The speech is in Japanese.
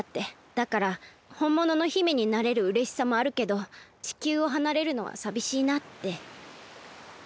だからほんものの姫になれるうれしさもあるけど地球をはなれるのはさびしいなって。